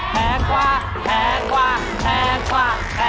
แพงกว่า